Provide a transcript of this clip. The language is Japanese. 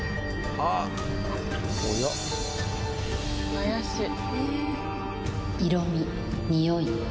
怪しい。